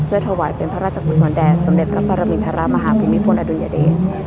เพื่อถวัยเป็นพระราชกรสวรรค์แดดสมเด็จกับพระราบินทรมาหาพิมพลอดุญาเด